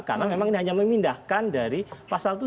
karena memang ini hanya memindahkan dari pasal tujuh